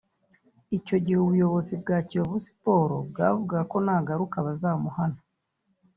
Icyo gihe ubuyobozi bwa Kiyovu Sport bwavugaga ko nagaruka bazamuhana